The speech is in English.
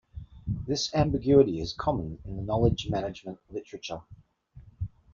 This ambiguity is common in the knowledge management literature.